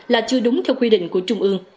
là chưa đúng theo quy định của trung ương